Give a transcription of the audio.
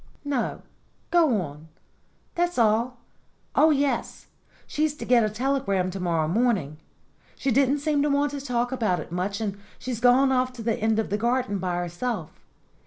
"No. Go on." "That's all. Oh, yes, she's to get a telegram to morrow morning. She didn't seem to want to talk about it much, and she's gone off to the end of the garden by herself.